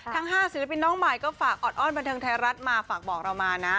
ทั้ง๕ศิลปินน้องใหม่ก็ฝากออดอ้อนบันเทิงไทยรัฐมาฝากบอกเรามานะ